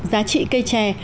giá trị cây trè